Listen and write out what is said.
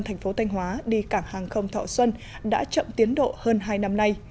thành phố thanh hóa đi cảng hàng không thọ xuân đã chậm tiến độ hơn hai năm nay